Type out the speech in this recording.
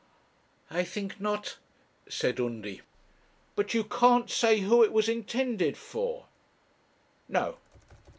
'I think not,' said Undy. 'But you can't say who it was intended for?' 'No.'